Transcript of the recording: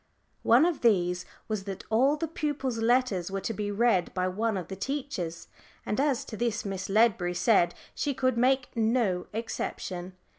One of these was that all the pupils' letters were to be read by one of the teachers, and as to this Miss Ledbury said she could make no exception.